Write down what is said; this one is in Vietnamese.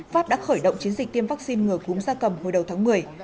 pháp đã khởi động chiến dịch tiêm vaccine ngừa cúng ra cầm hồi đầu tháng một mươi